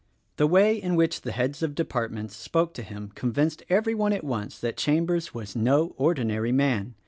The way in which the heads of departments spoke to him convinced everyone at once that Chambers was no ordinary man.